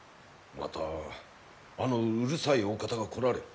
またあのうるさいお方が来られる。